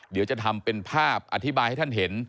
เดี๋ยวจะทำเป็นภาพอธิบายให้ท่านเห็น